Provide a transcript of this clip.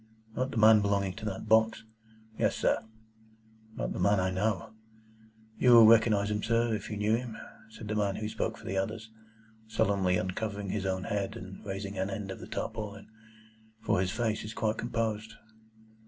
"Not the man belonging to that box?" "Yes, sir." "Not the man I know?" "You will recognise him, sir, if you knew him," said the man who spoke for the others, solemnly uncovering his own head, and raising an end of the tarpaulin, "for his face is quite composed."